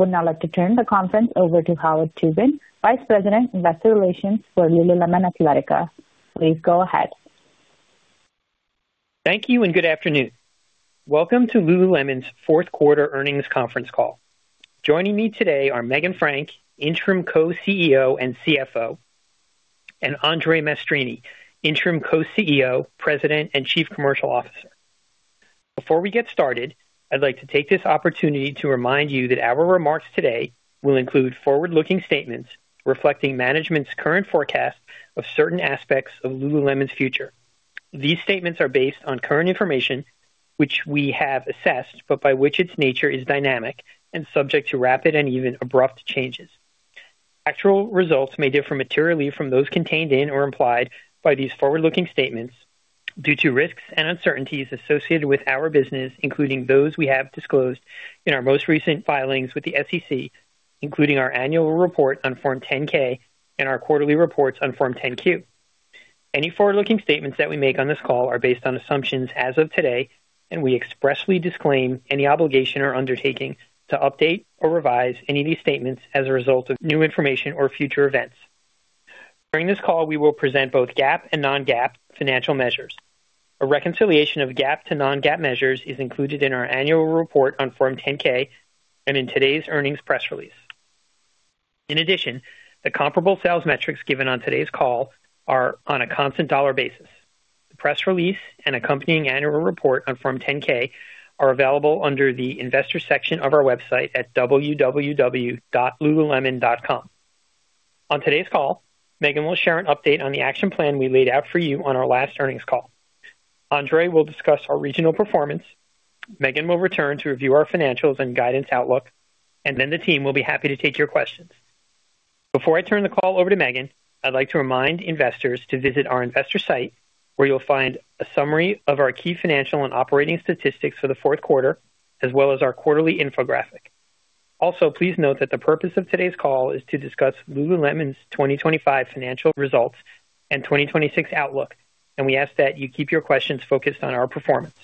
I would now like to turn the conference over to Howard Tubin, Vice President, Investor Relations for Lululemon Athletica. Please go ahead. Thank you and good afternoon. Welcome to Lululemon's Fourth Quarter Earnings Conference Call. Joining me today are Meghan Frank, Interim Co-CEO and CFO, and André Maestrini, Interim Co-CEO, President, and Chief Commercial Officer. Before we get started, I'd like to take this opportunity to remind you that our remarks today will include forward-looking statements reflecting management's current forecast of certain aspects of Lululemon's future. These statements are based on current information, which we have assessed, but by which its nature is dynamic and subject to rapid and even abrupt changes. Actual results may differ materially from those contained in or implied by these forward-looking statements due to risks and uncertainties associated with our business, including those we have disclosed in our most recent filings with the SEC, including our annual report on Form 10-K and our quarterly reports on Form 10-Q. Any forward-looking statements that we make on this call are based on assumptions as of today, and we expressly disclaim any obligation or undertaking to update or revise any of these statements as a result of new information or future events. During this call, we will present both GAAP and non-GAAP financial measures. A reconciliation of GAAP to non-GAAP measures is included in our annual report on Form 10-K and in today's earnings press release. In addition, the comparable sales metrics given on today's call are on a constant dollar basis. The press release and accompanying annual report on Form 10-K are available under the Investors section of our website at www.lululemon.com. On today's call, Meghan will share an update on the action plan we laid out for you on our last earnings call. André will discuss our regional performance. Meghan will return to review our financials and guidance outlook, and then the team will be happy to take your questions. Before I turn the call over to Meghan, I'd like to remind investors to visit our investor site, where you'll find a summary of our key financial and operating statistics for the fourth quarter, as well as our quarterly infographic. Also, please note that the purpose of today's call is to discuss Lululemon's 2025 financial results and 2026 outlook, and we ask that you keep your questions focused on our performance.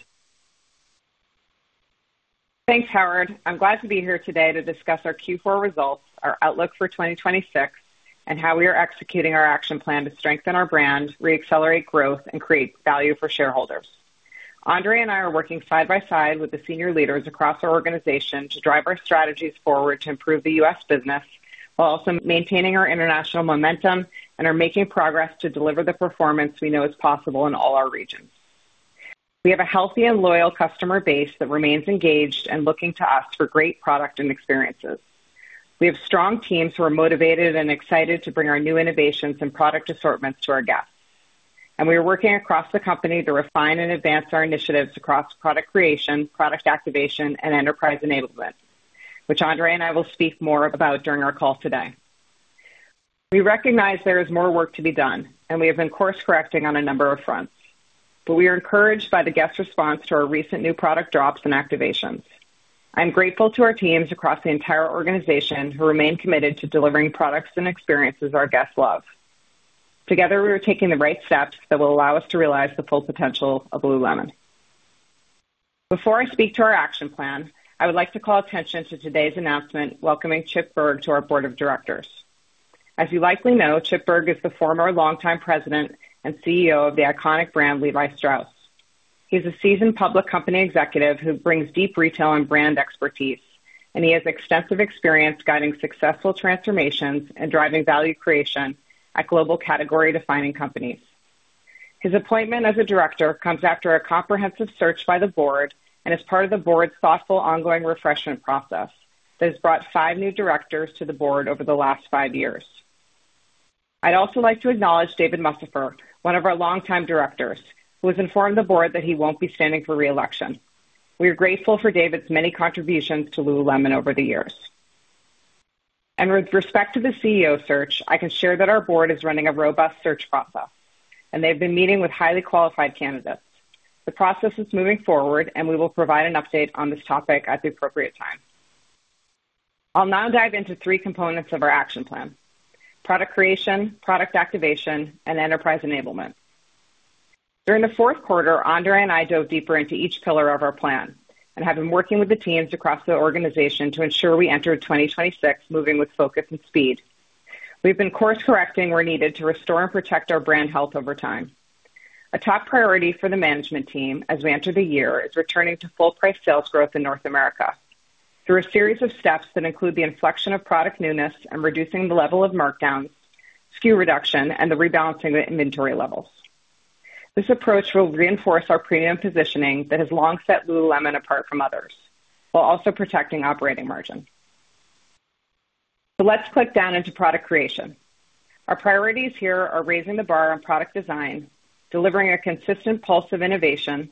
Thanks, Howard. I'm glad to be here today to discuss our Q4 results, our outlook for 2026, and how we are executing our action plan to strengthen our brand, re-accelerate growth, and create value for shareholders. André and I are working side by side with the senior leaders across our organization to drive our strategies forward to improve the U.S. business while also maintaining our international momentum and are making progress to deliver the performance we know is possible in all our regions. We have a healthy and loyal customer base that remains engaged and looking to us for great product and experiences. We have strong teams who are motivated and excited to bring our new innovations and product assortments to our guests. We are working across the company to refine and advance our initiatives across product creation, product activation, and enterprise enablement, which André and I will speak more about during our call today. We recognize there is more work to be done, and we have been course correcting on a number of fronts, but we are encouraged by the guest response to our recent new product drops and activations. I'm grateful to our teams across the entire organization who remain committed to delivering products and experiences our guests love. Together, we are taking the right steps that will allow us to realize the full potential of Lululemon. Before I speak to our action plan, I would like to call attention to today's announcement welcoming Chip Bergh to our board of directors. As you likely know, Chip Bergh is the former longtime President and CEO of the iconic brand Levi Strauss. He's a seasoned public company executive who brings deep retail and brand expertise, and he has extensive experience guiding successful transformations and driving value creation at global category defining companies. His appointment as a director comes after a comprehensive search by the board and is part of the board's thoughtful, ongoing refreshment process that has brought five new directors to the board over the last five years. I'd also like to acknowledge David Mussafer, one of our longtime directors, who has informed the board that he won't be standing for re-election. We are grateful for David's many contributions to lululemon over the years. With respect to the CEO search, I can share that our board is running a robust search process, and they've been meeting with highly qualified candidates. The process is moving forward, and we will provide an update on this topic at the appropriate time. I'll now dive into three components of our action plan, product creation, product activation, and enterprise enablement. During the fourth quarter, André and I dove deeper into each pillar of our plan and have been working with the teams across the organization to ensure we enter 2026 moving with focus and speed. We've been course correcting where needed to restore and protect our brand health over time. A top priority for the management team as we enter the year is returning to full price sales growth in North America through a series of steps that include the inflection of product newness and reducing the level of markdowns, SKU reduction, and rebalancing the inventory levels. This approach will reinforce our premium positioning that has long set Lululemon apart from others while also protecting operating margin. Let's drill down into product creation. Our priorities here are raising the bar on product design, delivering a consistent pulse of innovation,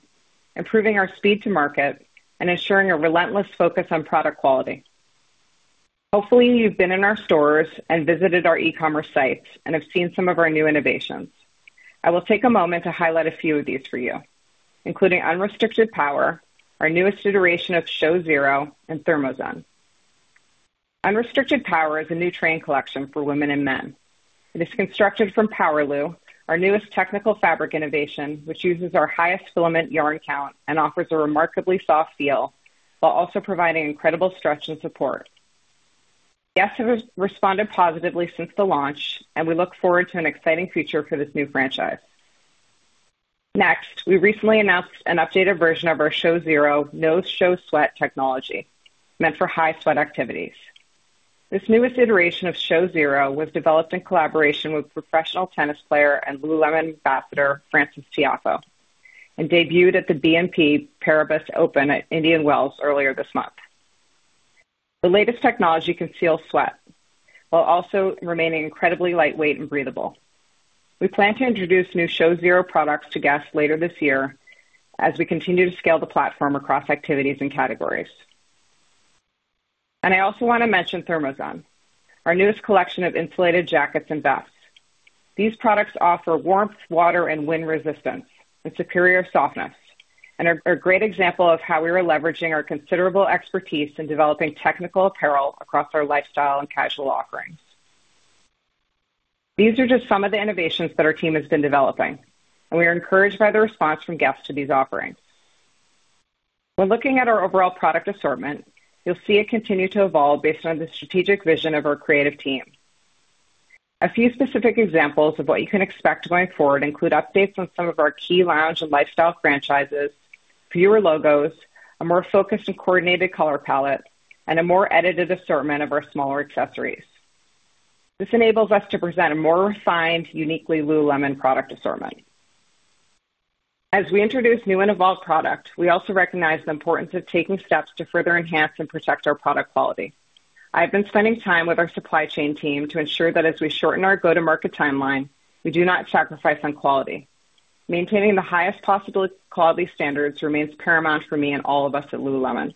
improving our speed to market, and ensuring a relentless focus on product quality. Hopefully, you've been in our stores and visited our e-commerce sites and have seen some of our new innovations. I will take a moment to highlight a few of these for you, including Unrestricted Power, our newest iteration of ShowZero, and ThermaZen. Unrestricted Power is a new training collection for women and men. It is constructed from PowerLu, our newest technical fabric innovation, which uses our highest filament yarn count and offers a remarkably soft feel while also providing incredible stretch and support. Guests have responded positively since the launch, and we look forward to an exciting future for this new franchise. Next, we recently announced an updated version of our ShowZero no-show sweat technology meant for high sweat activities. This newest iteration of ShowZero was developed in collaboration with professional tennis player and Lululemon ambassador Frances Tiafoe and debuted at the BNP Paribas Open at Indian Wells earlier this month. The latest technology conceals sweat while also remaining incredibly lightweight and breathable. We plan to introduce new ShowZero products to guests later this year as we continue to scale the platform across activities and categories. I also wanna mention ThermoZen, our newest collection of insulated jackets and vests. These products offer warmth, water, and wind resistance and superior softness and are a great example of how we are leveraging our considerable expertise in developing technical apparel across our lifestyle and casual offerings. These are just some of the innovations that our team has been developing, and we are encouraged by the response from guests to these offerings. When looking at our overall product assortment, you'll see it continue to evolve based on the strategic vision of our creative team. A few specific examples of what you can expect going forward include updates on some of our key lounge and lifestyle franchises, fewer logos, a more focused and coordinated color palette, and a more edited assortment of our smaller accessories. This enables us to present a more refined, uniquely Lululemon product assortment. As we introduce new and evolved product, we also recognize the importance of taking steps to further enhance and protect our product quality. I have been spending time with our supply chain team to ensure that as we shorten our go-to-market timeline, we do not sacrifice on quality. Maintaining the highest possible quality standards remains paramount for me and all of us at Lululemon.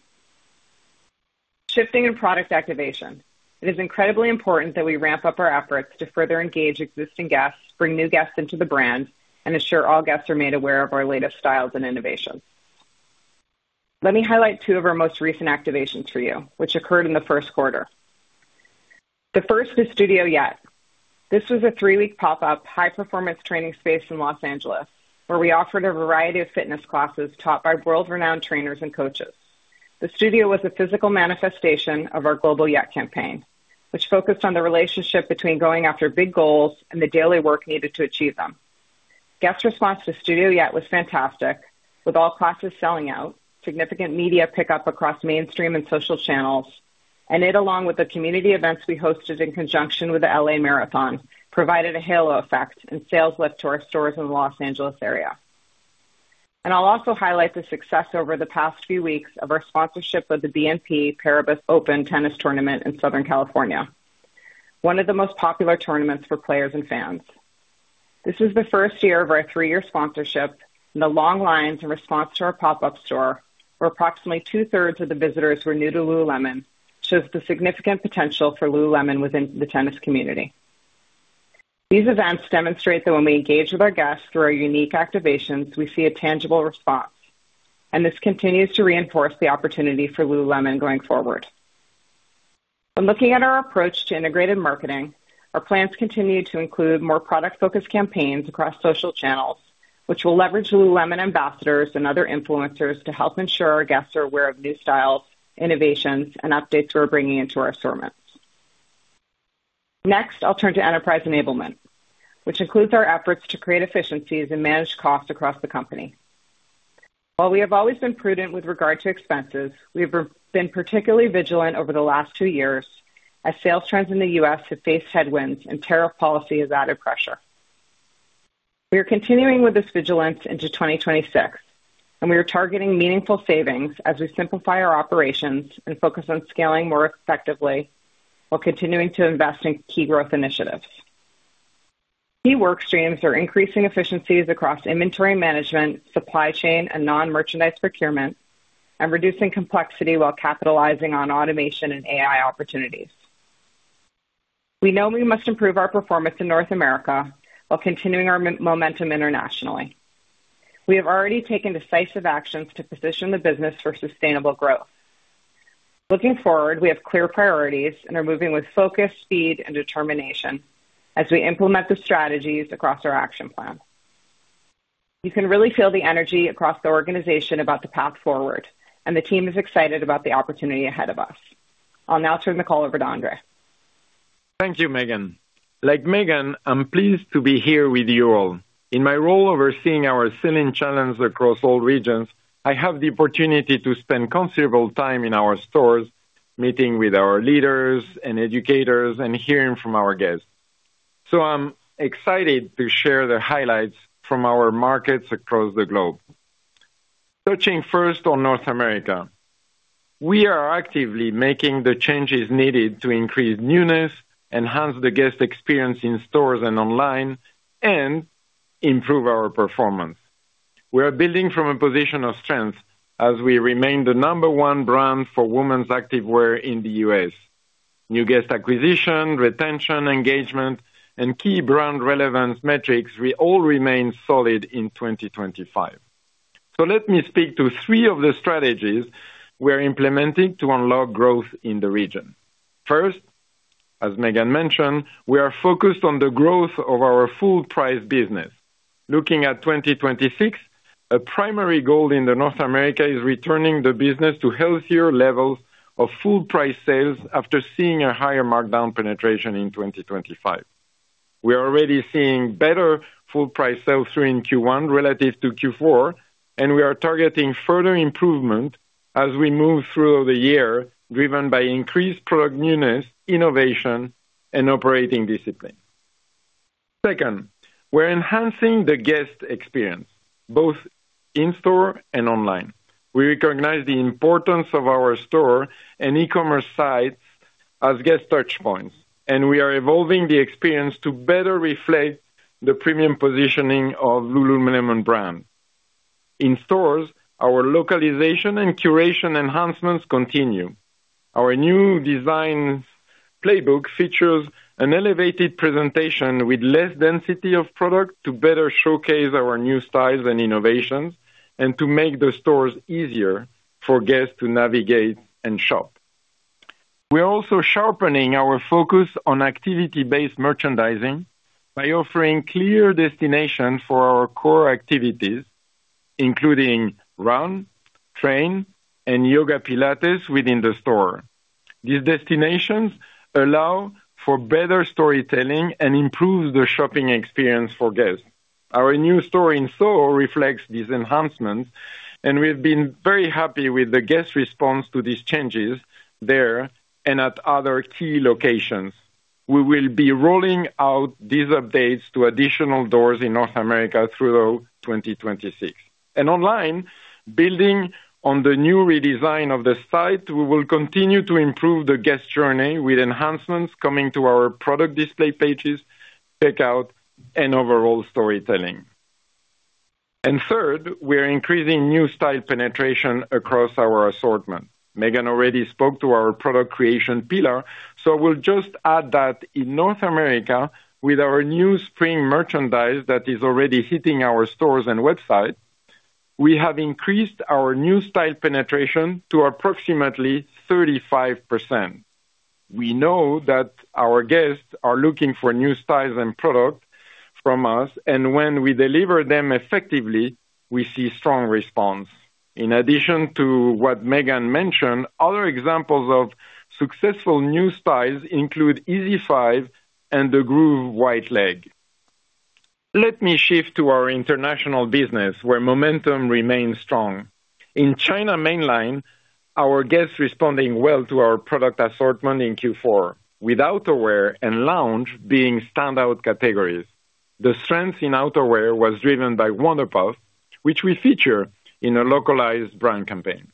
Shifting to product activation, it is incredibly important that we ramp up our efforts to further engage existing guests, bring new guests into the brand, and ensure all guests are made aware of our latest styles and innovations. Let me highlight two of our most recent activations for you, which occurred in the first quarter. The first is Studio Yet. This was a three-week pop-up high-performance training space in Los Angeles, where we offered a variety of fitness classes taught by world-renowned trainers and coaches. The studio was a physical manifestation of our global Yet campaign, which focused on the relationship between going after big goals and the daily work needed to achieve them. Guest response to Studio Yet was fantastic, with all classes selling out, significant media pickup across mainstream and social channels, and it, along with the community events we hosted in conjunction with the L.A. Marathon, provided a halo effect and sales lift to our stores in the Los Angeles area. I'll also highlight the success over the past few weeks of our sponsorship of the BNP Paribas Open tennis tournament in Southern California, one of the most popular tournaments for players and fans. This is the first year of our three-year sponsorship. The long lines in response to our pop-up store, where approximately two-thirds of the visitors were new to Lululemon, shows the significant potential for Lululemon within the tennis community. These events demonstrate that when we engage with our guests through our unique activations, we see a tangible response, and this continues to reinforce the opportunity for Lululemon going forward. When looking at our approach to integrated marketing, our plans continue to include more product-focused campaigns across social channels, which will leverage Lululemon ambassadors and other influencers to help ensure our guests are aware of new styles, innovations, and updates we're bringing into our assortment. Next, I'll turn to enterprise enablement, which includes our efforts to create efficiencies and manage costs across the company. While we have always been prudent with regard to expenses, we've been particularly vigilant over the last two years as sales trends in the U.S. have faced headwinds and tariff policy has added pressure. We are continuing with this vigilance into 2026, and we are targeting meaningful savings as we simplify our operations and focus on scaling more effectively while continuing to invest in key growth initiatives. Key work streams are increasing efficiencies across inventory management, supply chain, and non-merchandise procurement, and reducing complexity while capitalizing on automation and AI opportunities. We know we must improve our performance in North America while continuing our momentum internationally. We have already taken decisive actions to position the business for sustainable growth. Looking forward, we have clear priorities and are moving with focus, speed, and determination as we implement the strategies across our action plan. You can really feel the energy across the organization about the path forward, and the team is excited about the opportunity ahead of us. I'll now turn the call over to André. Thank you, Meghan. Like Meghan, I'm pleased to be here with you all. In my role overseeing our selling channels across all regions, I have the opportunity to spend considerable time in our stores, meeting with our leaders and educators and hearing from our guests. I'm excited to share the highlights from our markets across the globe. Touching first on North America. We are actively making the changes needed to increase newness, enhance the guest experience in stores and online, and improve our performance. We are building from a position of strength as we remain the number one brand for women's activewear in the U.S. New guest acquisition, retention, engagement, and key brand relevance metrics will all remain solid in 2025. Let me speak to three of the strategies we are implementing to unlock growth in the region. First, as Meghan mentioned, we are focused on the growth of our full price business. Looking at 2026, a primary goal in North America is returning the business to healthier levels of full price sales after seeing a higher markdown penetration in 2025. We are already seeing better full price sales in Q1 relative to Q4, and we are targeting further improvement as we move through the year, driven by increased product newness, innovation and operating discipline. Second, we're enhancing the guest experience, both in store and online. We recognize the importance of our store and e-commerce sites as guest touch points, and we are evolving the experience to better reflect the premium positioning of Lululemon brand. In stores, our localization and curation enhancements continue. Our new design playbook features an elevated presentation with less density of product to better showcase our new styles and innovations, and to make the stores easier for guests to navigate and shop. We are also sharpening our focus on activity-based merchandising by offering clear destination for our core activities, including run, train and yoga Pilates within the store. These destinations allow for better storytelling and improve the shopping experience for guests. Our new store in Soho reflects these enhancements, and we've been very happy with the guest response to these changes there and at other key locations. We will be rolling out these updates to additional doors in North America through 2026. Online, building on the new redesign of the site, we will continue to improve the guest journey with enhancements coming to our product display pages, checkout and overall storytelling. Third, we are increasing new style penetration across our assortment. Meghan already spoke to our product creation pillar, so we'll just add that in North America, with our new spring merchandise that is already hitting our stores and website, we have increased our new style penetration to approximately 35%. We know that our guests are looking for new styles and product from us, and when we deliver them effectively, we see strong response. In addition to what Meghan mentioned, other examples of successful new styles include EasyFive and the Groove Wide-Leg. Let me shift to our international business, where momentum remains strong. In China mainline, our guests responding well to our product assortment in Q4, with outerwear and lounge being standout categories. The strength in outerwear was driven by Wunder Puff, which we feature in a localized brand campaign.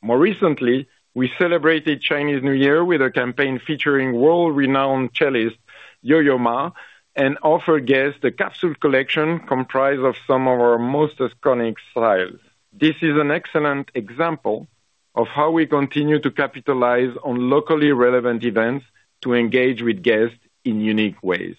More recently, we celebrated Chinese New Year with a campaign featuring world-renowned cellist Yo-Yo Ma, and offer guests the capsule collection comprised of some of our most iconic styles. This is an excellent example of how we continue to capitalize on locally relevant events to engage with guests in unique ways.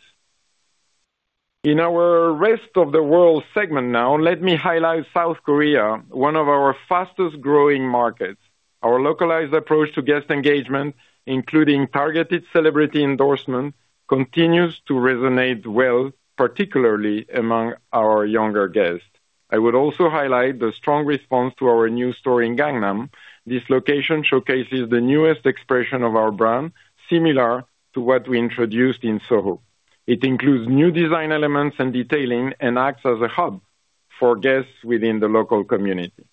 In our rest of the world segment now, let me highlight South Korea, one of our fastest growing markets. Our localized approach to guest engagement, including targeted celebrity endorsement, continues to resonate well, particularly among our younger guests. I would also highlight the strong response to our new store in Gangnam. This location showcases the newest expression of our brand, similar to what we introduced in Soho. It includes new design elements and detailing and acts as a hub for guests within the local community.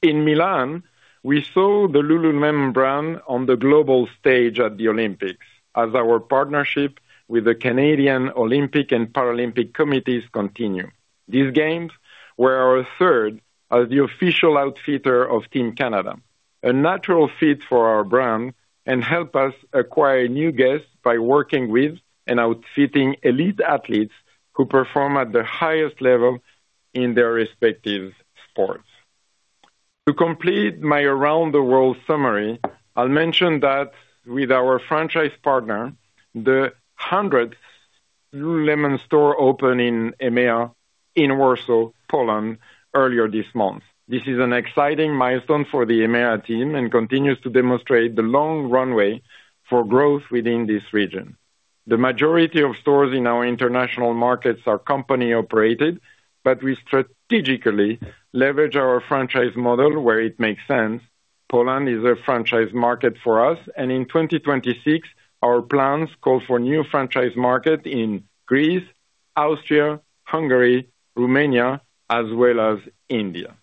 In Milan, we saw the Lululemon brand on the global stage at the Olympics as our partnership with the Canadian Olympic and Paralympic committees continue. These games were our third as the official outfitter of Team Canada, a natural fit for our brand, and help us acquire new guests by working with and outfitting elite athletes who perform at the highest level in their respective sports. To complete my around the world summary, I'll mention that with our franchise partner, the 100th Lululemon store opened in EMEA in Warsaw, Poland earlier this month. This is an exciting milestone for the EMEA team and continues to demonstrate the long runway for growth within this region. The majority of stores in our international markets are company operated, but we strategically leverage our franchise model where it makes sense. Poland is a franchise market for us, and in 2026, our plans call for new franchise market in Greece, Austria, Hungary, Romania as well as India.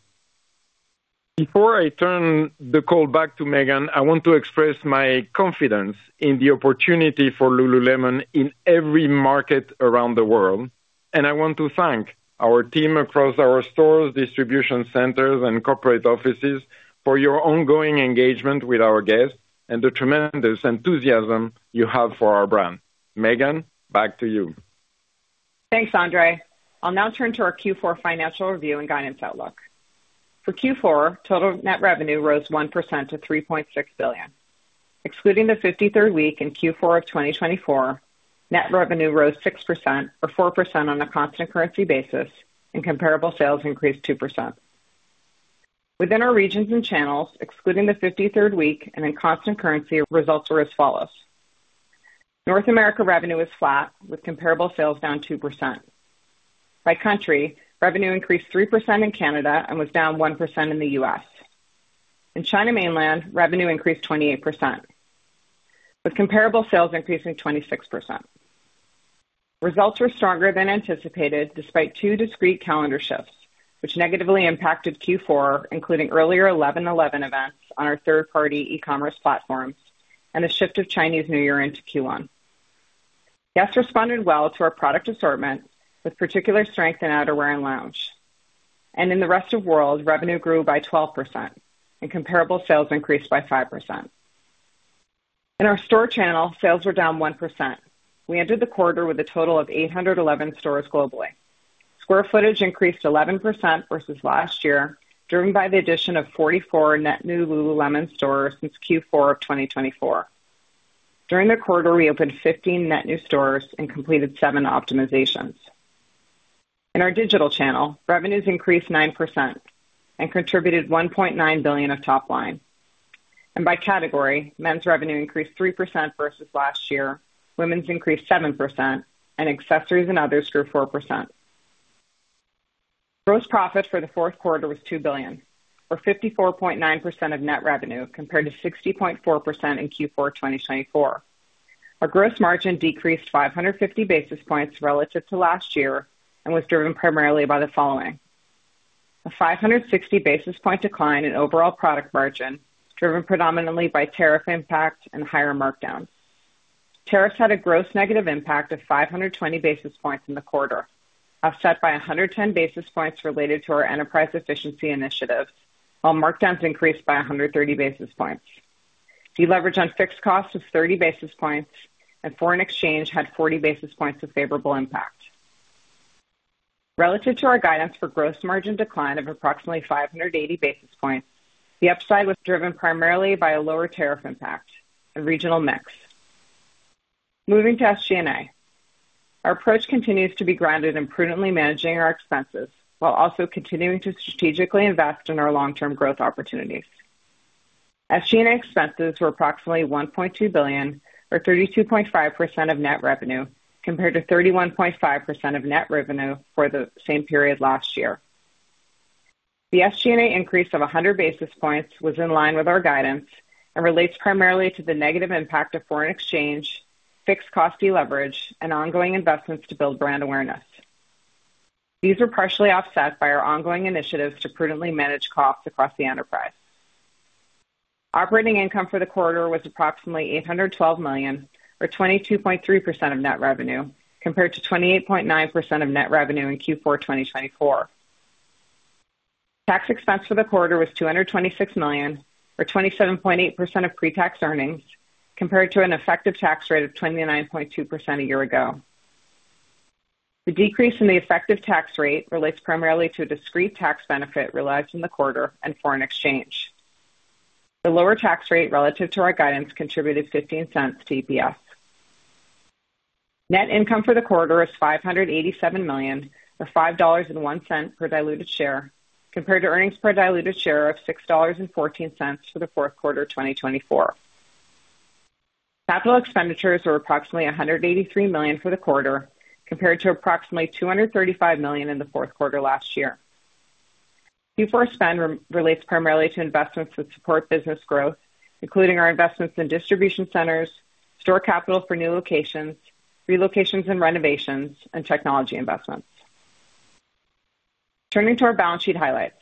Before I turn the call back to Meghan, I want to express my confidence in the opportunity for Lululemon in every market around the world. I want to thank our team across our stores, distribution centers and corporate offices for your ongoing engagement with our guests and the tremendous enthusiasm you have for our brand. Meghan, back to you. Thanks, André. I'll now turn to our Q4 financial review and guidance outlook. For Q4, total net revenue rose 1% to $3.6 billion. Excluding the 53rd week in Q4 of 2024, net revenue rose 6% or 4% on a constant currency basis and comparable sales increased 2%. Within our regions and channels, excluding the 53rd week and in constant currency, results were as follows. North America revenue is flat with comparable sales down 2%. By country, revenue increased 3% in Canada and was down 1% in the U.S. In China Mainland, revenue increased 28%, with comparable sales increasing 26%. Results were stronger than anticipated despite two discrete calendar shifts, which negatively impacted Q4, including earlier 11/11 events on our third-party e-commerce platforms and the shift of Chinese New Year into Q1. Guests responded well to our product assortment with particular strength in outerwear and lounge. In the rest of world, revenue grew by 12% and comparable sales increased by 5%. In our store channel, sales were down 1%. We entered the quarter with a total of 811 stores globally. Square footage increased 11% versus last year, driven by the addition of 44 net new Lululemon stores since Q4 of 2024. During the quarter, we opened 15 net new stores and completed seven optimizations. In our digital channel, revenues increased 9% and contributed $1.9 billion of top line. By category, men's revenue increased 3% versus last year, women's increased 7%, and accessories and others grew 4%. Gross profit for the fourth quarter was $2 billion or 54.9% of net revenue, compared to 60.4% in Q4 2024. Our gross margin decreased 550 basis points relative to last year and was driven primarily by the following. A 560 basis point decline in overall product margin, driven predominantly by tariff impact and higher markdowns. Tariffs had a gross negative impact of 520 basis points in the quarter, offset by 110 basis points related to our enterprise efficiency initiative, while markdowns increased by 130 basis points. De-leverage on fixed costs was 30 basis points, and foreign exchange had 40 basis points of favorable impact. Relative to our guidance for gross margin decline of approximately 580 basis points, the upside was driven primarily by a lower tariff impact and regional mix. Moving to SG&A. Our approach continues to be grounded in prudently managing our expenses while also continuing to strategically invest in our long-term growth opportunities. SG&A expenses were approximately $1.2 billion or 32.5% of net revenue, compared to 31.5% of net revenue for the same period last year. The SG&A increase of 100 basis points was in line with our guidance and relates primarily to the negative impact of foreign exchange, fixed cost deleverage, and ongoing investments to build brand awareness. These were partially offset by our ongoing initiatives to prudently manage costs across the enterprise. Operating income for the quarter was approximately $812 million or 22.3% of net revenue, compared to 28.9% of net revenue in Q4 2024. Tax expense for the quarter was $226 million or 27.8% of pre-tax earnings, compared to an effective tax rate of 29.2% a year ago. The decrease in the effective tax rate relates primarily to a discrete tax benefit realized in the quarter and foreign exchange. The lower tax rate relative to our guidance contributed $0.15 to EPS. Net income for the quarter is $587 million, or $5.01 per diluted share, compared to earnings per diluted share of $6.14 for the fourth quarter of 2024. Capital expenditures were approximately $183 million for the quarter, compared to approximately $235 million in the fourth quarter last year. Q4 spend relates primarily to investments that support business growth, including our investments in distribution centers, store capital for new locations, relocations and renovations, and technology investments. Turning to our balance sheet highlights.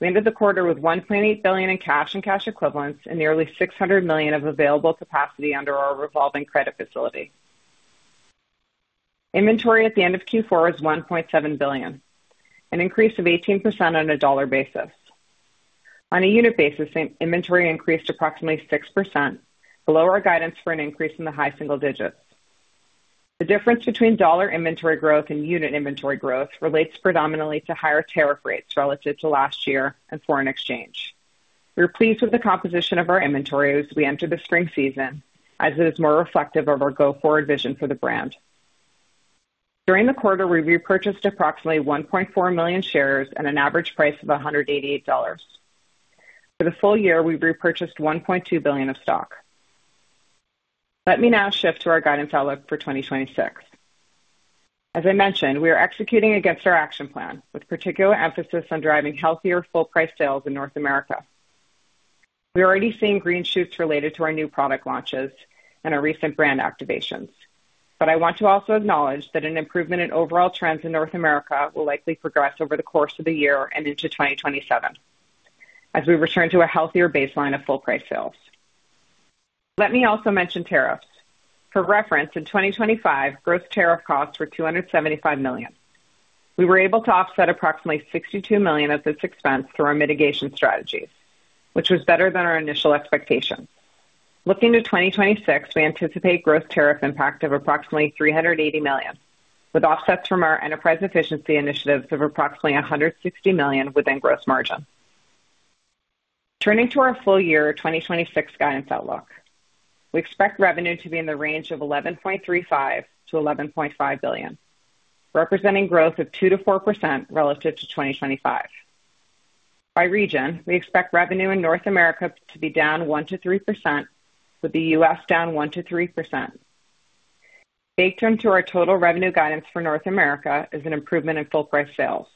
We ended the quarter with $1.8 billion in cash and cash equivalents and nearly $600 million of available capacity under our revolving credit facility. Inventory at the end of Q4 is $1.7 billion, an increase of 18% on a dollar basis. On a unit basis, inventory increased approximately 6%, below our guidance for an increase in the high single digits. The difference between dollar inventory growth and unit inventory growth relates predominantly to higher tariff rates relative to last year and foreign exchange. We are pleased with the composition of our inventories as we enter the spring season, as it is more reflective of our go-forward vision for the brand. During the quarter, we repurchased approximately 1.4 million shares at an average price of $188. For the full year, we repurchased $1.2 billion of stock. Let me now shift to our guidance outlook for 2026. As I mentioned, we are executing against our action plan with particular emphasis on driving healthier full price sales in North America. We are already seeing green shoots related to our new product launches and our recent brand activations. I want to also acknowledge that an improvement in overall trends in North America will likely progress over the course of the year and into 2027 as we return to a healthier baseline of full price sales. Let me also mention tariffs. For reference, in 2025, gross tariff costs were $275 million. We were able to offset approximately $62 million of this expense through our mitigation strategies, which was better than our initial expectations. Looking to 2026, we anticipate gross tariff impact of approximately $380 million. With offsets from our enterprise efficiency initiatives of approximately $160 million within gross margin. Turning to our full year 2026 guidance outlook. We expect revenue to be in the range of $11.35 billion-$11.5 billion, representing growth of 2%-4% relative to 2025. By region, we expect revenue in North America to be down 1%-3%, with the U.S. down 1%-3%. Baked into our total revenue guidance for North America is an improvement in full price sales.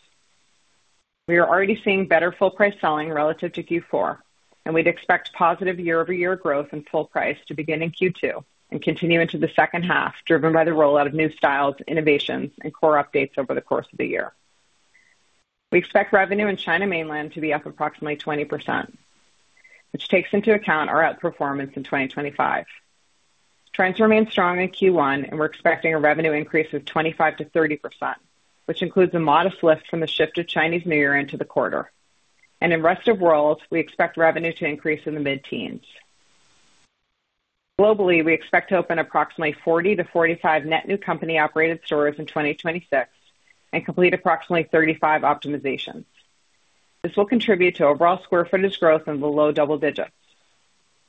We are already seeing better full price selling relative to Q4, and we'd expect positive year-over-year growth in full price to begin in Q2 and continue into the second half, driven by the rollout of new styles, innovations, and core updates over the course of the year. We expect revenue in China Mainland to be up approximately 20%, which takes into account our outperformance in 2025. Trends remain strong in Q1, and we're expecting a revenue increase of 25%-30%, which includes a modest lift from the shift of Chinese New Year into the quarter. In rest of world, we expect revenue to increase in the mid-teens. Globally, we expect to open approximately 40 to 45 net new company-operated stores in 2026 and complete approximately 35 optimizations. This will contribute to overall square footage growth in the low double digits.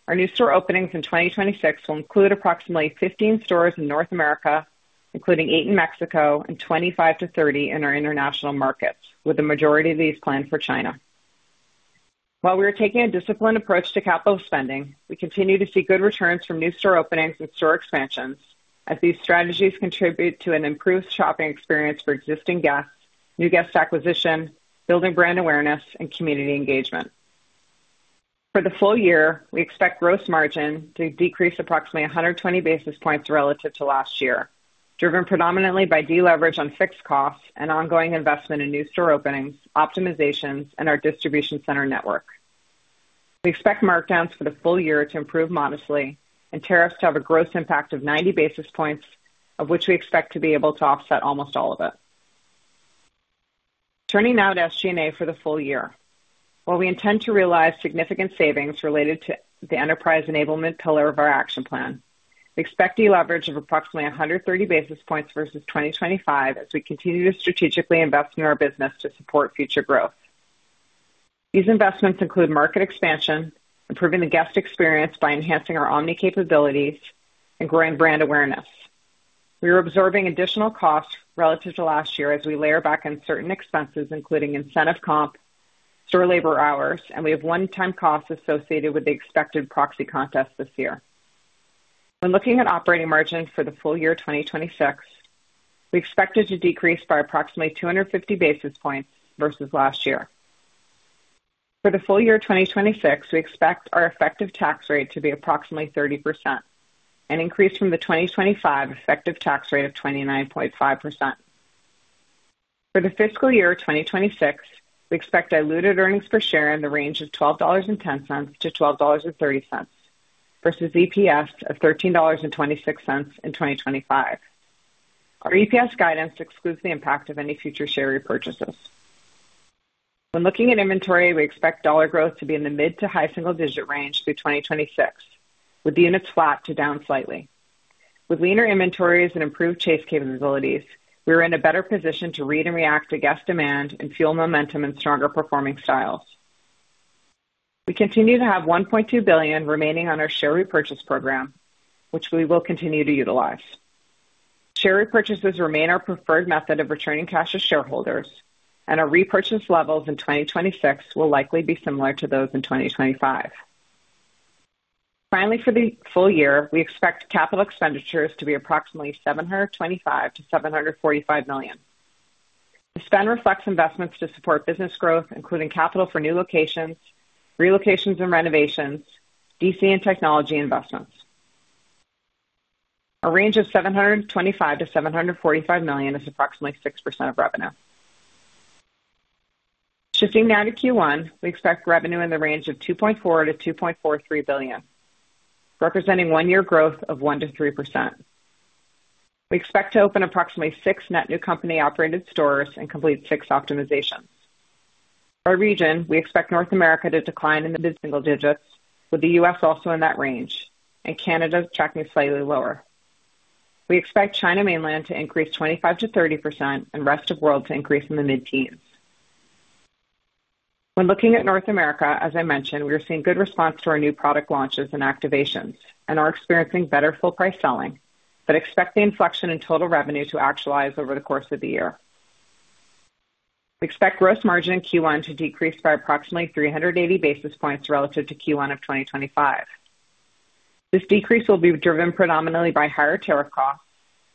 Our new store openings in 2026 will include approximately 15 stores in North America, including eight in Mexico and 25 to 30 in our international markets, with the majority of these planned for China. While we are taking a disciplined approach to capital spending, we continue to see good returns from new store openings and store expansions as these strategies contribute to an improved shopping experience for existing guests, new guest acquisition, building brand awareness, and community engagement. For the full year, we expect gross margin to decrease approximately 120 basis points relative to last year, driven predominantly by deleverage on fixed costs and ongoing investment in new store openings, optimizations, and our distribution center network. We expect markdowns for the full year to improve modestly and tariffs to have a gross impact of 90 basis points, of which we expect to be able to offset almost all of it. Turning now to SG&A for the full year. While we intend to realize significant savings related to the enterprise enablement pillar of our action plan, we expect deleverage of approximately 130 basis points versus 2025 as we continue to strategically invest in our business to support future growth. These investments include market expansion, improving the guest experience by enhancing our omni capabilities, and growing brand awareness. We are observing additional costs relative to last year as we layer back on certain expenses, including incentive comp, store labor hours, and we have one-time costs associated with the expected proxy contest this year. When looking at operating margins for the full year 2026, we expect it to decrease by approximately 250 basis points versus last year. For the full year 2026, we expect our effective tax rate to be approximately 30%, an increase from the 2025 effective tax rate of 29.5%. For the fiscal year 2026, we expect diluted earnings per share in the range of $12.10-$12.30 versus EPS of $13.26 in 2025. Our EPS guidance excludes the impact of any future share repurchases. When looking at inventory, we expect dollar growth to be in the mid to high single-digit range through 2026, with the units flat to down slightly. With leaner inventories and improved chase capabilities, we are in a better position to read and react to guest demand and fuel momentum in stronger performing styles. We continue to have $1.2 billion remaining on our share repurchase program, which we will continue to utilize. Share repurchases remain our preferred method of returning cash to shareholders, and our repurchase levels in 2026 will likely be similar to those in 2025. Finally, for the full year, we expect capital expenditures to be approximately $725 million-$745 million. The spend reflects investments to support business growth, including capital for new locations, relocations and renovations, DC and technology investments. A range of $725 million-$745 million is approximately 6% of revenue. Shifting now to Q1. We expect revenue in the range of $2.4 billion-$2.43 billion, representing 1-year growth of 1%-3%. We expect to open approximately six net new company-operated stores and complete six optimizations. By region, we expect North America to decline in the mid-single digits, with the U.S. also in that range and Canada tracking slightly lower. We expect China Mainland to increase 25%-30% and rest of world to increase in the mid-teens. When looking at North America, as I mentioned, we are seeing good response to our new product launches and activations and are experiencing better full price selling, but expect the inflection in total revenue to actualize over the course of the year. We expect gross margin in Q1 to decrease by approximately 380 basis points relative to Q1 of 2025. This decrease will be driven predominantly by higher tariff costs,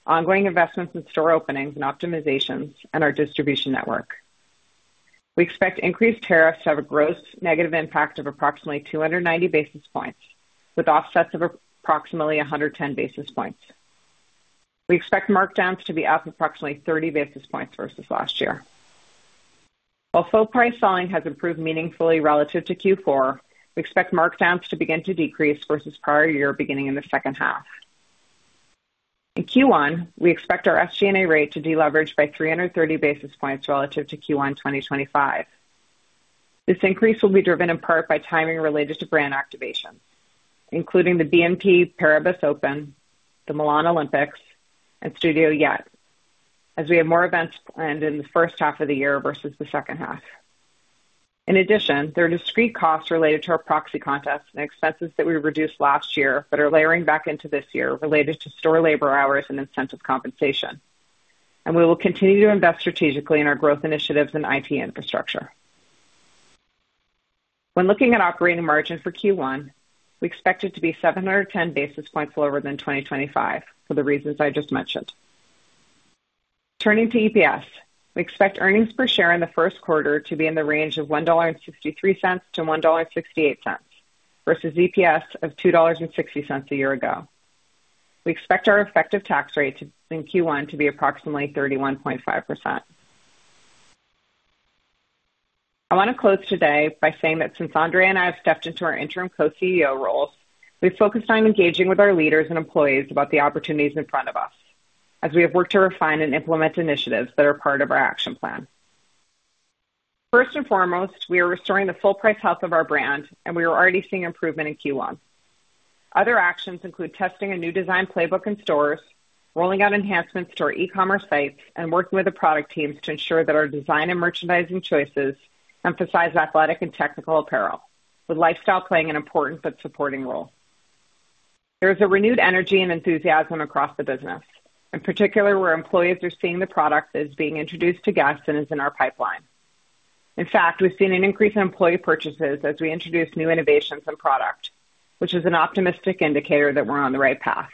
ongoing investments in store openings and optimizations, and our distribution network. We expect increased tariffs to have a gross negative impact of approximately 290 basis points, with offsets of approximately 110 basis points. We expect markdowns to be up approximately 30 basis points versus last year. While full price selling has improved meaningfully relative to Q4, we expect markdowns to begin to decrease versus prior year beginning in the second half. In Q1, we expect our SG&A rate to deleverage by 330 basis points relative to Q1 2025. This increase will be driven in part by timing related to brand activation, including the BNP Paribas Open, the Milano Cortina 2026, and Studio Yet, as we have more events planned in the first half of the year versus the second half. In addition, there are discrete costs related to our proxy contest and expenses that we reduced last year but are layering back into this year related to store labor hours and incentive compensation. We will continue to invest strategically in our growth initiatives and IT infrastructure. When looking at operating margin for Q1, we expect it to be 710 basis points lower than 2025 for the reasons I just mentioned. Turning to EPS, we expect earnings per share in the first quarter to be in the range of $1.63-$1.68 versus EPS of $2.60 a year ago. We expect our effective tax rate in Q1 to be approximately 31.5%. I wanna close today by saying that since André and I have stepped into our interim co-CEO roles, we've focused on engaging with our leaders and employees about the opportunities in front of us as we have worked to refine and implement initiatives that are part of our action plan. First and foremost, we are restoring the full price health of our brand, and we are already seeing improvement in Q1. Other actions include testing a new design playbook in stores, rolling out enhancements to our e-commerce site, and working with the product teams to ensure that our design and merchandising choices emphasize athletic and technical apparel, with lifestyle playing an important but supporting role. There is a renewed energy and enthusiasm across the business, in particular where employees are seeing the product as being introduced to guests and is in our pipeline. In fact, we've seen an increase in employee purchases as we introduce new innovations and product, which is an optimistic indicator that we're on the right path.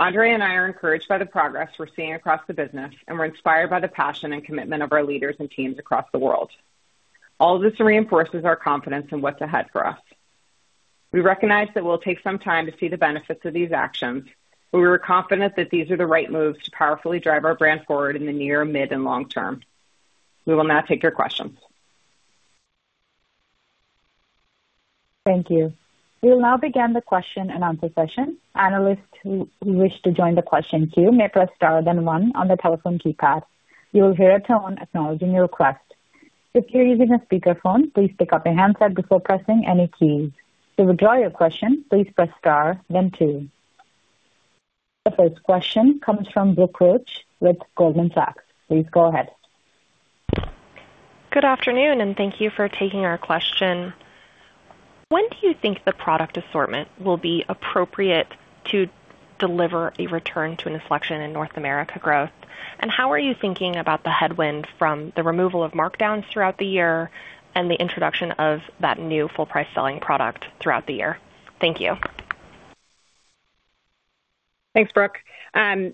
André and I are encouraged by the progress we're seeing across the business and we're inspired by the passion and commitment of our leaders and teams across the world. All this reinforces our confidence in what's ahead for us. We recognize that it will take some time to see the benefits of these actions, but we are confident that these are the right moves to powerfully drive our brand forward in the near, mid, and long term. We will now take your questions. Thank you. We will now begin the question-and-answer session. Analysts who wish to join the question queue may press star then one on the telephone keypad. You will hear a tone acknowledging your request. If you're using a speakerphone, please pick up your handset before pressing any keys. To withdraw your question, please press star then two. The first question comes from Brooke Roach with Goldman Sachs. Please go ahead. Good afternoon, and thank you for taking our question. When do you think the product assortment will be appropriate to deliver a return to an inflection in North America growth? And how are you thinking about the headwind from the removal of markdowns throughout the year and the introduction of that new full price selling product throughout the year? Thank you. Thanks, Brooke. As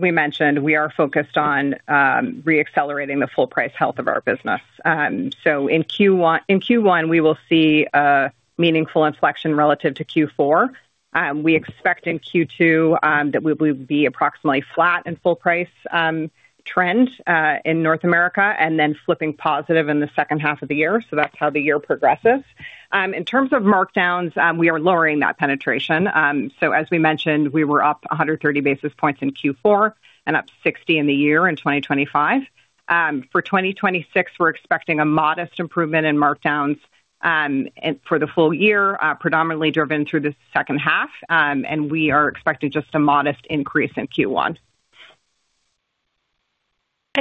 we mentioned, we are focused on re-accelerating the full price health of our business. In Q1, we will see a meaningful inflection relative to Q4. We expect in Q2 that we will be approximately flat in full price trend in North America, and then flipping positive in the second half of the year. That's how the year progresses. In terms of markdowns, we are lowering that penetration. As we mentioned, we were up 130 basis points in Q4 and up 60 in the year in 2025. For 2026, we're expecting a modest improvement in markdowns for the full year, predominantly driven through the second half. We are expecting just a modest increase in Q1.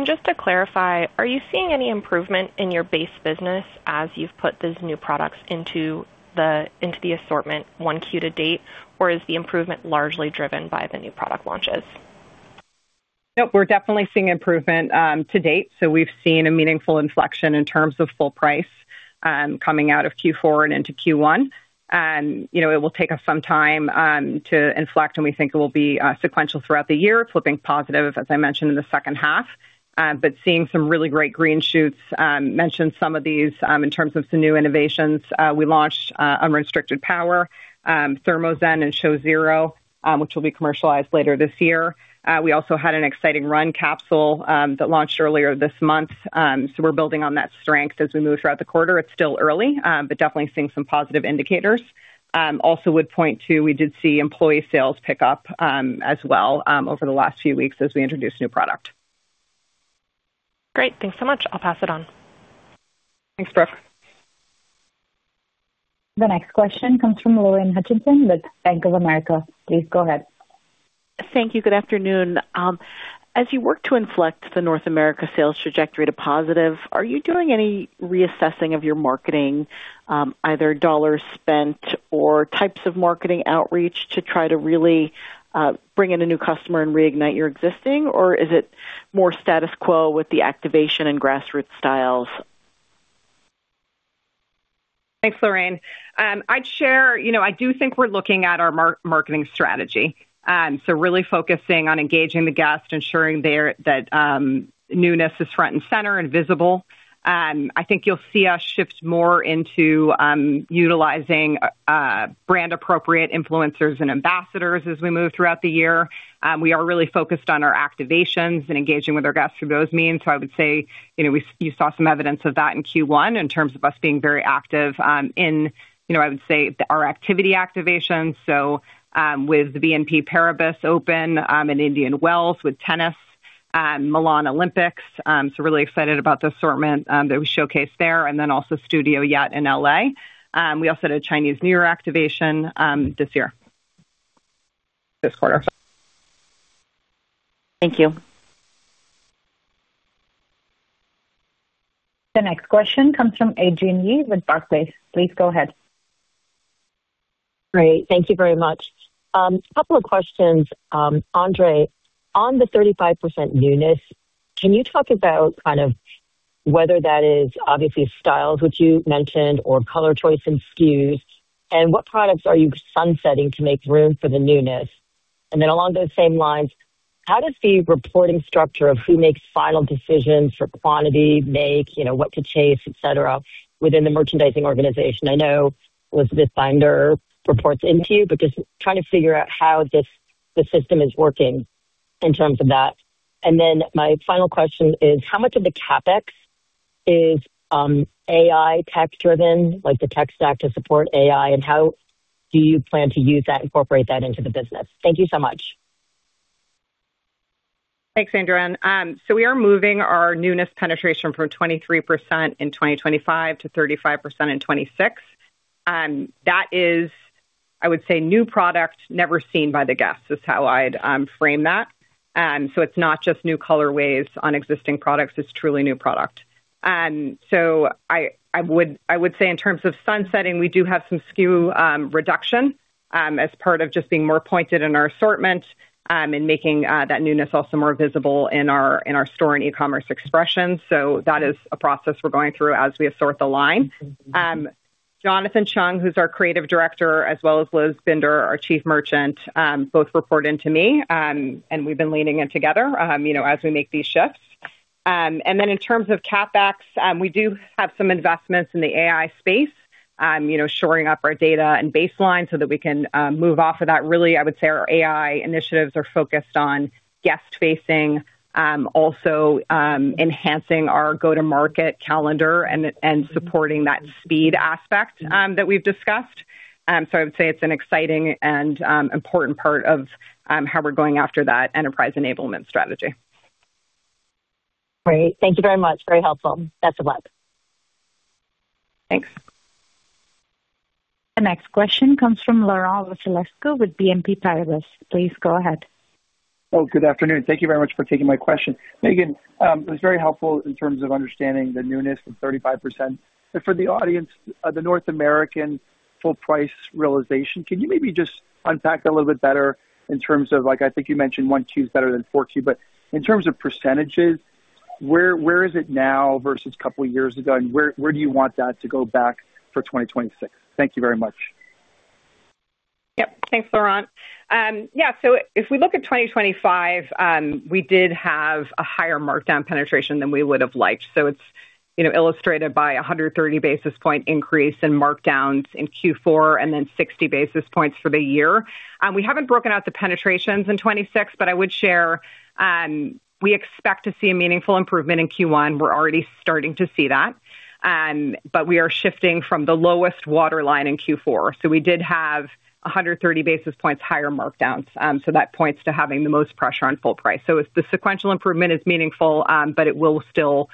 Just to clarify, are you seeing any improvement in your base business as you've put these new products into the assortment 1Q to date? Or is the improvement largely driven by the new product launches? No, we're definitely seeing improvement to date. We've seen a meaningful inflection in terms of full price coming out of Q4 and into Q1. You know, it will take us some time to inflect, and we think it will be sequential throughout the year, flipping positive, as I mentioned, in the second half. Seeing some really great green shoots mentioned some of these in terms of some new innovations. We launched Unrestricted Power, ThermoZen, and ShowZero, which will be commercialized later this year. We also had an exciting run capsule that launched earlier this month. We're building on that strength as we move throughout the quarter. It's still early, but definitely seeing some positive indicators. Also, would point to we did see employee sales pick up as well over the last few weeks as we introduced new product. Great. Thanks so much. I'll pass it on. Thanks, Brooke. The next question comes from Lorraine Hutchinson with Bank of America. Please go ahead. Thank you. Good afternoon. As you work to inflect the North America sales trajectory to positive, are you doing any reassessing of your marketing, either dollars spent or types of marketing outreach to try to really bring in a new customer and reignite your existing? Or is it more status quo with the activation and grassroots styles? Thanks, Lorraine. I'd share, you know, I do think we're looking at our marketing strategy. Really focusing on engaging the guest, ensuring that newness is front and center and visible. I think you'll see us shift more into utilizing brand appropriate influencers and ambassadors as we move throughout the year. We are really focused on our activations and engaging with our guests through those means. I would say, you know, you saw some evidence of that in Q1 in terms of us being very active in our activations. With the BNP Paribas Open in Indian Wells with tennis, Milano Olympics. Really excited about the assortment that we showcased there. Then also Studio Yet in L.A. We also did a Chinese New Year activation, this year, this quarter. Thank you. The next question comes from Adrienne Yih with Barclays. Please go ahead. Great. Thank you very much. A couple of questions. André, on the 35% newness, can you talk about kind of whether that is obviously styles which you mentioned or color choice and SKUs, and what products are you sunsetting to make room for the newness? Along those same lines, how does the reporting structure of who makes final decisions for quantity make, you know, what to chase, et cetera, within the merchandising organization? I know Elizabeth Binder reports into you, but just trying to figure out how this, the system is working in terms of that. My final question is how much of the CapEx is AI tech driven, like the tech stack to support AI? And how do you plan to use that, incorporate that into the business? Thank you so much. Thanks, Adrienne. We are moving our newness penetration from 23% in 2025 to 35% in 2026. That is, I would say, new product never seen by the guests, is how I'd frame that. It's not just new color waves on existing products. It's truly new product. I would say in terms of sunsetting, we do have some SKU reduction as part of just being more pointed in our assortment, and making that newness also more visible in our store and e-commerce expressions. That is a process we're going through as we assort the line. Jonathan Cheung, who's our creative director, as well as Liz Binder, our Chief Merchant, both report into me. We've been leaning in together, you know, as we make these shifts. In terms of CapEx, we do have some investments in the AI space, you know, shoring up our data and baseline so that we can move off of that. Really, I would say our AI initiatives are focused on guest facing, also enhancing our go-to-market calendar and supporting that speed aspect that we've discussed. I would say it's an exciting and important part of how we're going after that enterprise enablement strategy. Great. Thank you very much. Very helpful. Best of luck. Thanks. The next question comes from Laurent Vasilescu with BNP Paribas. Please go ahead. Oh, good afternoon. Thank you very much for taking my question. Meghan, it was very helpful in terms of understanding the newness of 35%. For the audience, the North American full price realization, can you maybe just unpack that a little bit better in terms of, like, I think you mentioned 1-2 is better than 4-2 but in terms of percentages, where is it now versus couple of years ago, and where do you want that to go back for 2026? Thank you very much. Yep. Thanks, Laurent. If we look at 2025, we did have a higher markdown penetration than we would have liked. It's, you know, illustrated by a 130 basis point increase in markdowns in Q4 and then 60 basis points for the year. We haven't broken out the penetrations in 2026, but I would share, we expect to see a meaningful improvement in Q1. We're already starting to see that. We are shifting from the lowest waterline in Q4. We did have a 130 basis points higher markdowns, so that points to having the most pressure on full price. It's the sequential improvement is meaningful, but it will still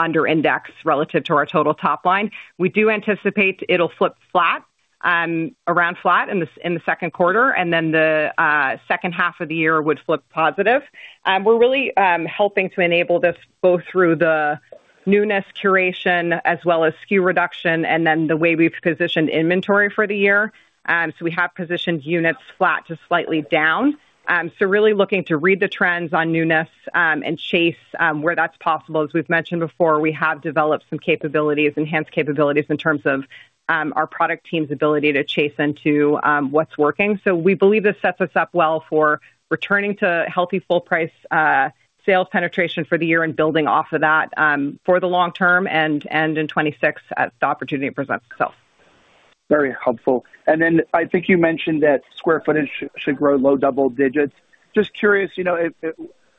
under index relative to our total top line. We do anticipate it'll flip flat, around flat in the second quarter, and then the second half of the year would flip positive. We're really helping to enable this both through the newness curation as well as SKU reduction and then the way we've positioned inventory for the year. We have positioned units flat to slightly down. Really looking to read the trends on newness, and chase where that's possible. As we've mentioned before, we have developed some capabilities, enhanced capabilities in terms of our product team's ability to chase into what's working. We believe this sets us up well for returning to healthy full price sales penetration for the year and building off of that for the long term and in 2026 as the opportunity presents itself. Very helpful. Then I think you mentioned that square footage should grow low double digits. Just curious, you know, if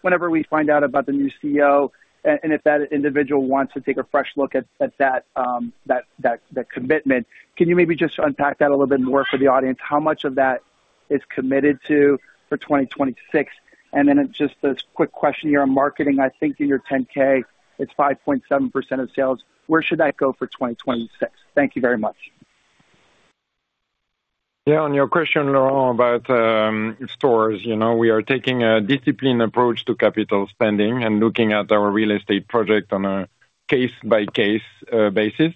whenever we find out about the new CEO and if that individual wants to take a fresh look at that commitment, can you maybe just unpack that a little bit more for the audience? How much of that is committed to for 2026? Then just a quick question here on marketing. I think in your 10-K, it's 5.7% of sales. Where should that go for 2026? Thank you very much. Yeah, on your question, Laurent, about stores. You know, we are taking a disciplined approach to capital spending and looking at our real estate project on a case-by-case basis.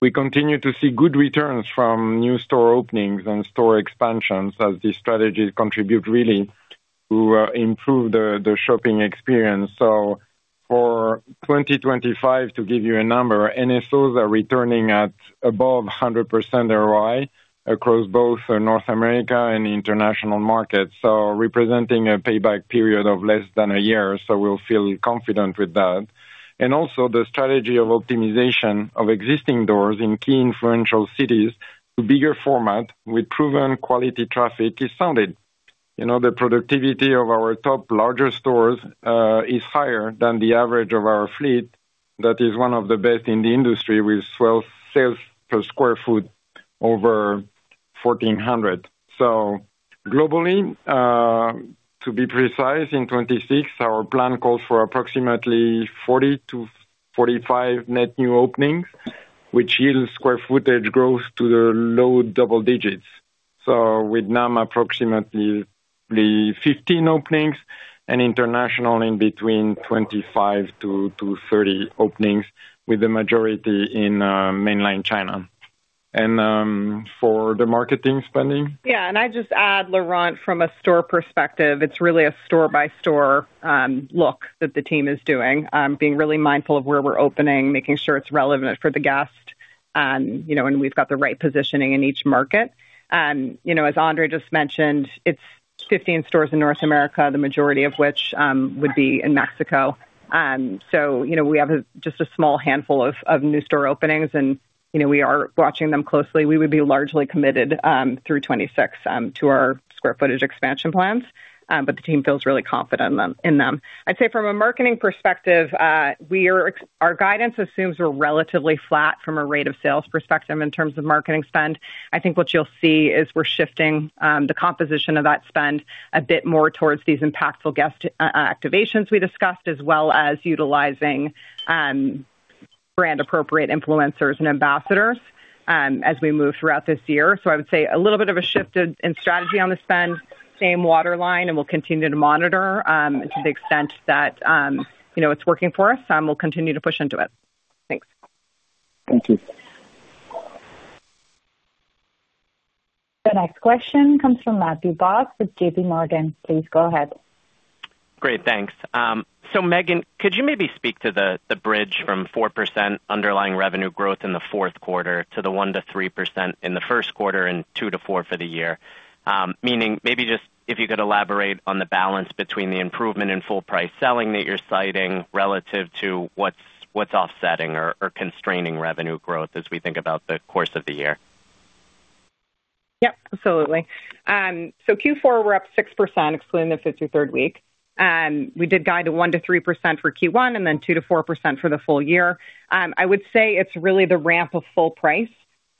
We continue to see good returns from new store openings and store expansions as these strategies contribute really to improve the shopping experience. For 2025, to give you a number, NSOs are returning at above 100% ROI across both North America and international markets, representing a payback period of less than a year. We'll feel confident with that. The strategy of optimization of existing doors in key influential cities to bigger format with proven quality traffic is solid. You know, the productivity of our top larger stores is higher than the average of our fleet. That is one of the best in the industry with 12 sales per square foot over $1,400. Globally, to be precise, in 2026, our plan calls for approximately 40 to 45 net new openings, which yields square footage growth to the low double digits. With NAM approximately 15 openings and international between 25 to 30 openings, with the majority in mainland China. For the marketing spending. Yeah. I'd just add, Laurent, from a store perspective, it's really a store by store look that the team is doing. Being really mindful of where we're opening, making sure it's relevant for the guest, you know, and we've got the right positioning in each market. You know, as André just mentioned, it's 15 stores in North America, the majority of which would be in Mexico. So you know, we have just a small handful of new store openings and, you know, we are watching them closely. We would be largely committed through 2026 to our square footage expansion plans, but the team feels really confident in them. I'd say from a marketing perspective, our guidance assumes we're relatively flat from a rate of sales perspective in terms of marketing spend. I think what you'll see is we're shifting the composition of that spend a bit more towards these impactful guest activations we discussed, as well as utilizing brand appropriate influencers and ambassadors as we move throughout this year. I would say a little bit of a shift in strategy on the spend, same waterline, and we'll continue to monitor to the extent that you know it's working for us we'll continue to push into it. Thanks. Thank you. The next question comes from Matthew Boss with J.P. Morgan. Please go ahead. Great, thanks. Meghan, could you maybe speak to the bridge from 4% underlying revenue growth in the fourth quarter to the 1%-3% in the first quarter and 2%-4% for the year? Meaning maybe just if you could elaborate on the balance between the improvement in full price selling that you're citing relative to what's offsetting or constraining revenue growth as we think about the course of the year. Yep, absolutely. Q4, we're up 6% excluding the 53rd week. We did guide to 1%-3% for Q1 and then 2%-4% for the full year. I would say it's really the ramp of full price.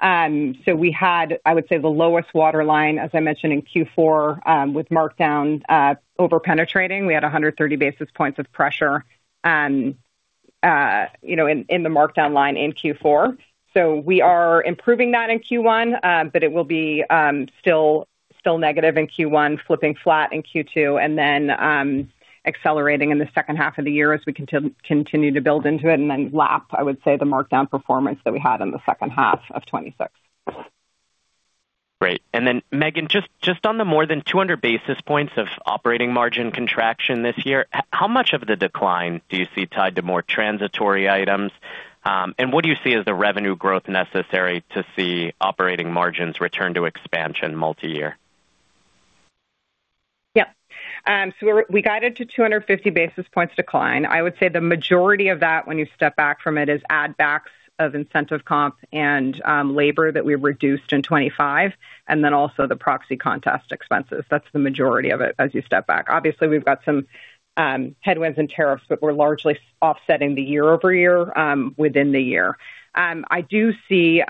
We had, I would say, the lowest waterline, as I mentioned in Q4, with markdown over-penetrating. We had 130 basis points of pressure, you know, in the markdown line in Q4. We are improving that in Q1, but it will be still negative in Q1, flipping flat in Q2, and then accelerating in the second half of the year as we continue to build into it and then lap, I would say, the markdown performance that we had in the second half of 2026. Great. Meghan, just on the more than 200 basis points of operating margin contraction this year, how much of the decline do you see tied to more transitory items? What do you see as the revenue growth necessary to see operating margins return to expansion multi-year? Yeah. We guided to 250 basis points decline. I would say the majority of that when you step back from it is add backs of incentive comp and labor that we reduced in 2025, and then also the proxy contest expenses. That's the majority of it as you step back. Obviously, we've got some headwinds and tariffs, but we're largely offsetting the year-over-year within the year. I do see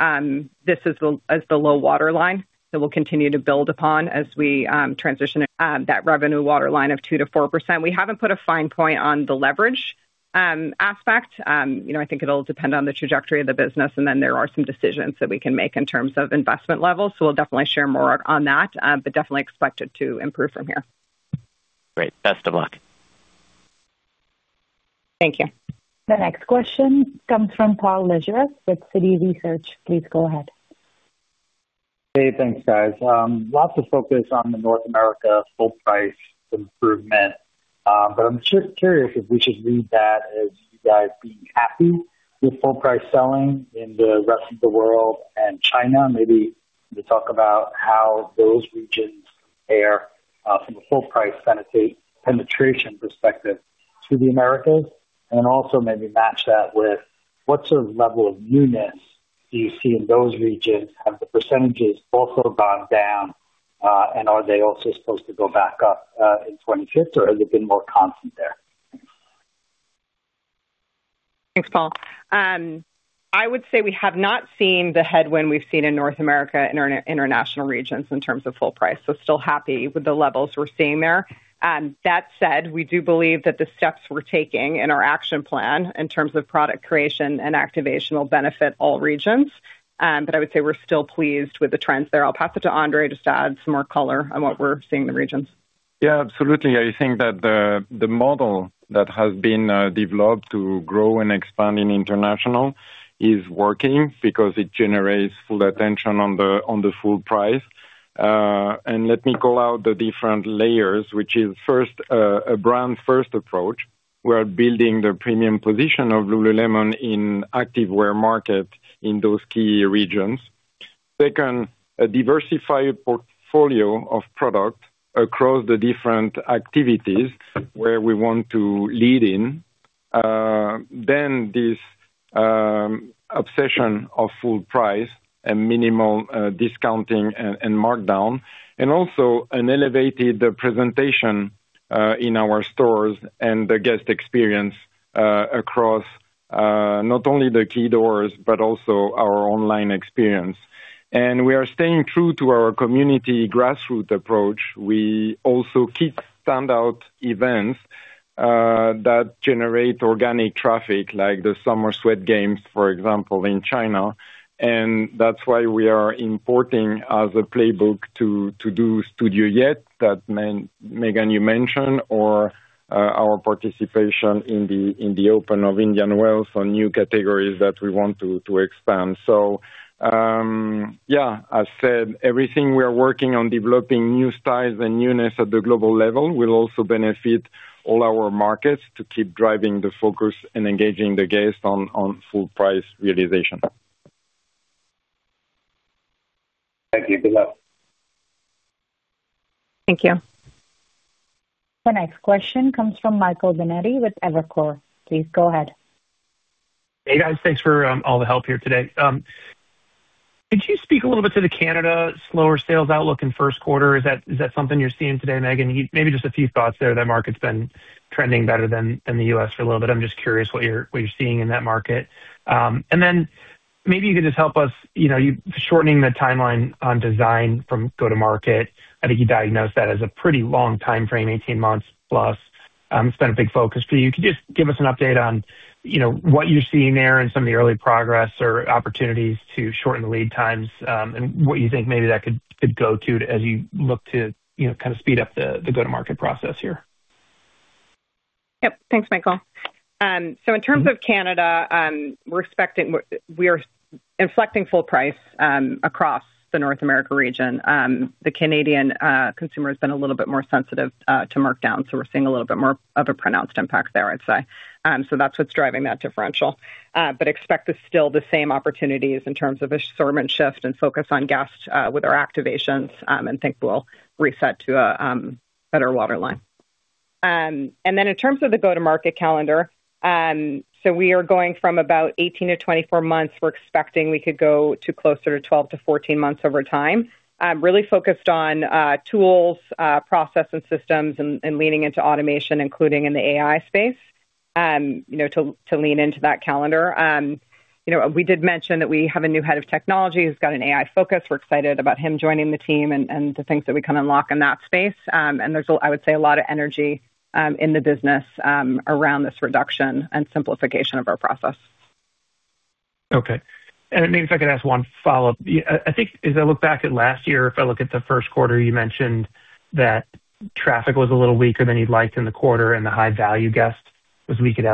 this as the low waterline that we'll continue to build upon as we transition that revenue waterline of 2%-4%. We haven't put a fine point on the leverage aspect. You know, I think it'll depend on the trajectory of the business, and then there are some decisions that we can make in terms of investment levels. We'll definitely share more on that, but definitely expect it to improve from here. Great. Best of luck. Thank you. The next question comes from Paul Lejuez with Citi Research. Please go ahead. Hey, thanks, guys. Lots of focus on the North America full price improvement. I'm curious if we should read that as you guys being happy with full price selling in the rest of the world and China. Maybe to talk about how those regions fare from a full price penetration perspective to the Americas. Also maybe match that with what sort of level of newness do you see in those regions? Have the percentages also gone down, and are they also supposed to go back up in 2025, or has it been more constant there? Thanks, Paul. I would say we have not seen the headwind we've seen in North America in our international regions in terms of full price. Still happy with the levels we're seeing there. That said, we do believe that the steps we're taking in our action plan in terms of product creation and activation will benefit all regions. I would say we're still pleased with the trends there. I'll pass it to André just to add some more color on what we're seeing in the regions. Yeah, absolutely. I think that the model that has been developed to grow and expand in international is working because it generates full attention on the full price. Let me call out the different layers, which is first, a brand first approach. We are building the premium position of Lululemon in activewear market in those key regions. Second, a diversified portfolio of product across the different activities where we want to lead in. Then this obsession of full price and minimal discounting and markdown, and also an elevated presentation in our stores and the guest experience across, not only the key doors, but also our online experience. We are staying true to our community grassroots approach. We also keep standout events that generate organic traffic, like the Summer Sweat Games, for example, in China. That's why we are implementing as a playbook to do Studio Yet that Meghan, you mentioned, our participation in the open in Indian Wells on new categories that we want to expand. As said, everything we are working on developing new styles and newness at the global level will also benefit all our markets to keep driving the focus and engaging the guest on full price realization. Thank you. Good luck. Thank you. The next question comes from Michael Binetti with Evercore. Please go ahead. Hey, guys. Thanks for all the help here today. Could you speak a little bit to the Canada slower sales outlook in first quarter? Is that something you're seeing today, Meghan? Maybe just a few thoughts there. That market's been trending better than the U.S. for a little bit. I'm just curious what you're seeing in that market. Maybe you could just help us, you know, you're shortening the timeline on design from go-to-market. I think you diagnosed that as a pretty long timeframe, 18 months plus. It's been a big focus for you. Could you just give us an update on, you know, what you're seeing there and some of the early progress or opportunities to shorten the lead times, and what you think maybe that could go to as you look to, you know, kinda speed up the go-to-market process here? Yep. Thanks, Michael. In terms of Canada, we are inflecting full price across the North America region. The Canadian consumer has been a little bit more sensitive to markdown, so we're seeing a little bit more of a pronounced impact there, I'd say. That's what's driving that differential. But I expect it's still the same opportunities in terms of assortment shift and focus on guests with our activations, and I think we'll reset to a better waterline. In terms of the go-to-market calendar, we are going from about 18 to 24 months. We're expecting we could go to closer to 12 to 14 months over time. I'm really focused on tools, process and systems and leaning into automation, including in the AI space, you know, to lean into that calendar. You know, we did mention that we have a new head of technology who's got an AI focus. We're excited about him joining the team and the things that we can unlock in that space. There's, I would say, a lot of energy in the business around this reduction and simplification of our process. Okay. Maybe if I could ask one follow-up. I think as I look back at last year, if I look at the first quarter, you mentioned that traffic was a little weaker than you'd liked in the quarter, and the high-value guest was weak as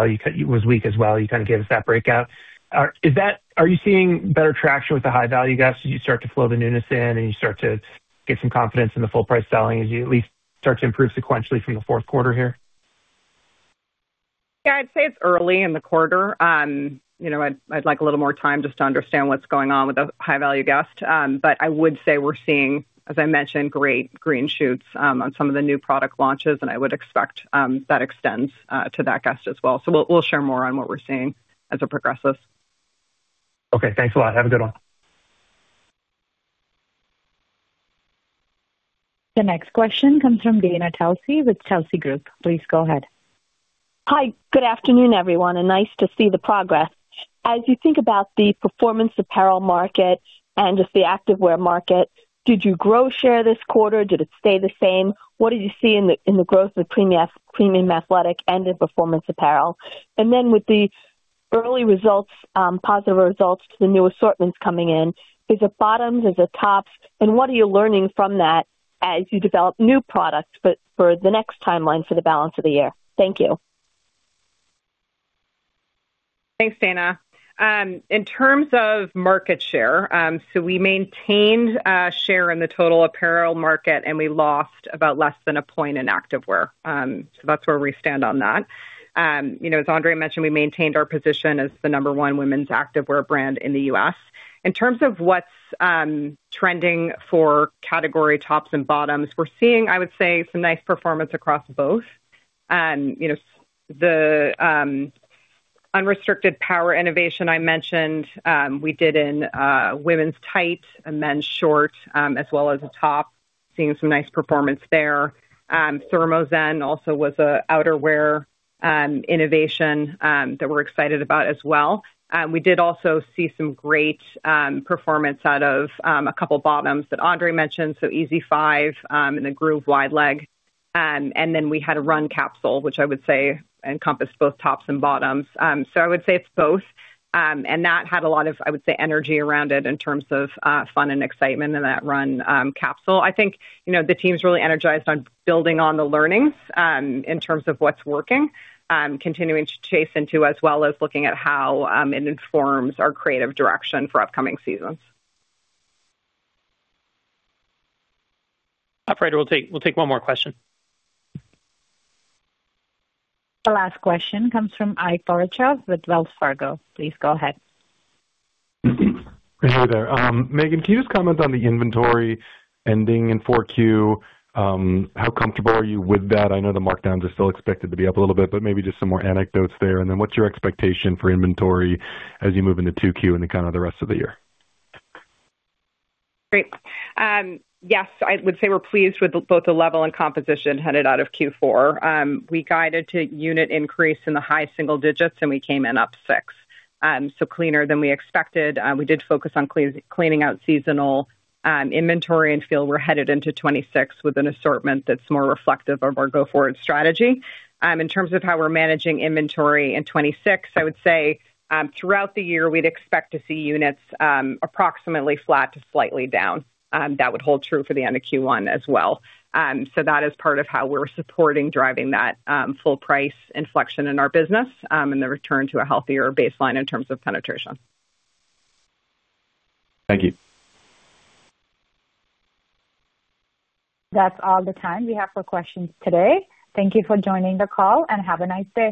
well. You kinda gave us that breakout. Are you seeing better traction with the high-value guests as you start to flow the newness in and you start to get some confidence in the full price selling as you at least start to improve sequentially from the fourth quarter here? Yeah, I'd say it's early in the quarter. You know, I'd like a little more time just to understand what's going on with the high-value guest. But I would say we're seeing, as I mentioned, great green shoots on some of the new product launches, and I would expect that extends to that guest as well. We'll share more on what we're seeing as it progresses. Okay. Thanks a lot. Have a good one. The next question comes from Dana Telsey with Telsey Group. Please go ahead. Hi. Good afternoon, everyone, and nice to see the progress. As you think about the performance apparel market and just the activewear market, did you grow share this quarter? Did it stay the same? What did you see in the growth of premium athletic and in performance apparel? Then with the early positive results to the new assortments coming in, is it bottoms, is it tops? What are you learning from that as you develop new products, but for the next timeline for the balance of the year? Thank you. Thanks, Dana. In terms of market share, we maintained share in the total apparel market, and we lost about less than a point in activewear. That's where we stand on that. You know, as André mentioned, we maintained our position as the number one women's activewear brand in the U.S. In terms of what's trending for category tops and bottoms, we're seeing, I would say, some nice performance across both. You know, the Unrestricted Power innovation I mentioned, we did in women's tights and men's shorts, as well as a top. Seeing some nice performance there. ThermoZen also was an outerwear innovation that we're excited about as well. We did also see some great performance out of a couple bottoms that André mentioned, so EasyFive and the Groove Wide-Leg. We had a run capsule, which I would say encompassed both tops and bottoms. I would say it's both. That had a lot of, I would say, energy around it in terms of fun and excitement in that run capsule. I think, you know, the team's really energized on building on the learnings in terms of what's working, continuing to chase into as well as looking at how it informs our creative direction for upcoming seasons. Operator, we'll take one more question. The last question comes from Ike Boruchow with Wells Fargo. Please go ahead. Hey there. Meghan, can you just comment on the inventory ending in 4Q? How comfortable are you with that? I know the markdowns are still expected to be up a little bit, but maybe just some more anecdotes there. What's your expectation for inventory as you move into 2Q and then kinda the rest of the year? Great. Yes, I would say we're pleased with both the level and composition headed out of Q4. We guided to unit increase in the high single digits, and we came in up 6. So cleaner than we expected. We did focus on cleaning out seasonal inventory and feel we're headed into 2026 with an assortment that's more reflective of our go-forward strategy. In terms of how we're managing inventory in 2026, I would say, throughout the year, we'd expect to see units approximately flat to slightly down. That would hold true for the end of Q1 as well. So that is part of how we're supporting driving that full price inflection in our business, and the return to a healthier baseline in terms of penetration. Thank you. That's all the time we have for questions today. Thank you for joining the call, and have a nice day.